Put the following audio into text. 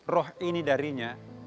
roh ini darinya